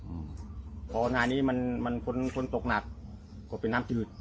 อืมพอหน้านี้มันมันคนตกหนักก็เป็นน้ำจืด